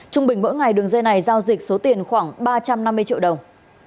trung bình mỗi ngày đường dây này giao dịch số tiền khoảng ba trăm năm mươi triệu đồng